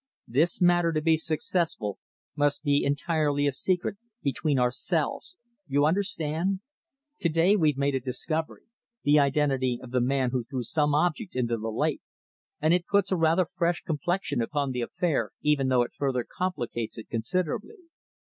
This matter, to be successful, must be entirely a secret between ourselves you understand? To day we've made a discovery the identity of the man who threw some object into the lake and it puts a rather fresh complexion upon the affair, even though it further complicates it considerably.